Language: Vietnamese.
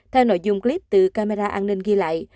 theo nội dung clip từ camera an ninh ghi lại